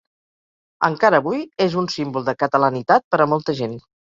Encara avui, és un símbol de catalanitat per a molta gent.